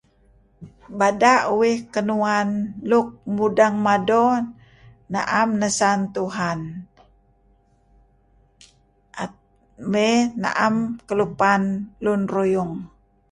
Bada' uih kinuan luk medeng mado, na'am nesan Tuhan. Mey na'em kelupan lun ruyung.